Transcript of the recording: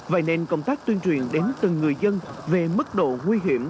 vậy nên công tác tuyên truyền đến từng người dân về mức độ nguy hiểm